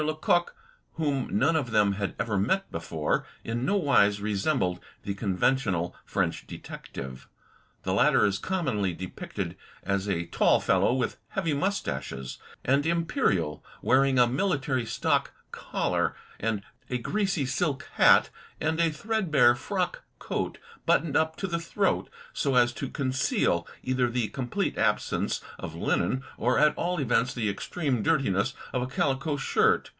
Lecoq, whom none of them had ever met before, in no wise resembled the conventional French detective. The latter is com monly depicted as a tall fellow, with heavy moustaches and "imperial," wearing a military stock collar, a greasy silk hat, and a threadbare frock coat buttoned up to the throat so as to conceal either the complete absence of linen or at all events the extreme dirtiness of a calico shirt.